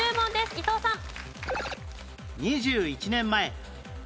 伊藤さん。